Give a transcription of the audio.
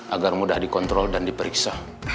agar mudah dikontrol dan diperiksa